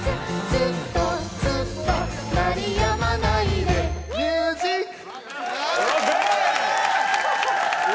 「ずっとずっと鳴り止まないでミュージック」